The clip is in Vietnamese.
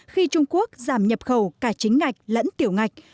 khi trung quốc giảm nhập khẩu cả chính ngạch lẫn tiểu ngạch